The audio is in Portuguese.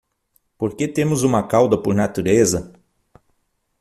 Por que temos uma cauda por natureza?